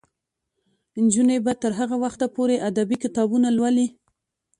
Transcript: نجونې به تر هغه وخته پورې ادبي کتابونه لولي.